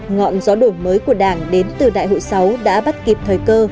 ngọn gió đổ mới của đảng đến từ đại hội sáu đã bắt kịp thời